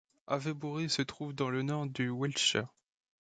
Avebury se trouve dans le nord du Wiltshire.